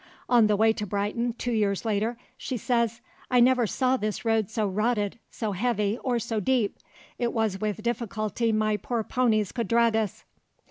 On the way to Brighton, two years later, she says, "I never saw this road so rotted, so heavy, or so deep. It was with difficulty my poor poneys could drag us."